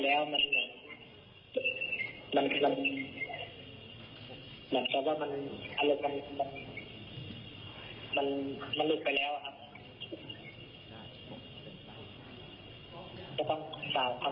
แล้วก็พอเจอผู้ชายกับผู้หลิงพอหมดกลับว่ากระทำไปแล้วมันมันมัน